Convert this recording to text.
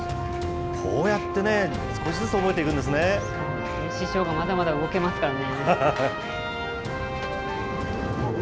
こうやってね、少しずつ覚えていそうですね、師匠がまだまだ動けますからね。